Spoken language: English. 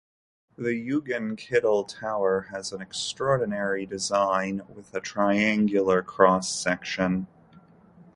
The Eugen-Keidel Tower has an extraordinary design with a triangular cross section.